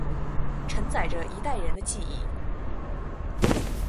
承载着一代人的记忆